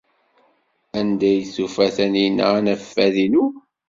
Anda ay tufa Taninna anafad-inu?